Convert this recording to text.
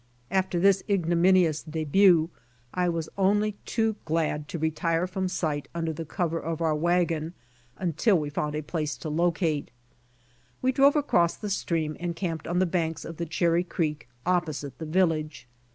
After this ignominious debut I was only too glad to retire from sight under the cover of our wagoii until we found a place to locate. We drove across the stream and camped on the banks of the Cherry creek opposite the village.